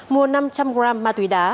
mua năm trăm linh g ma túy đá